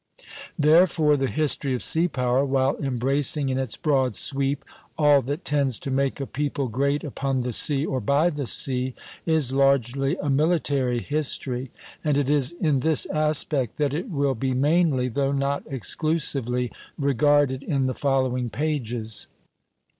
Therefore the history of sea power, while embracing in its broad sweep all that tends to make a people great upon the sea or by the sea, is largely a military history; and it is in this aspect that it will be mainly, though not exclusively, regarded in the following pages.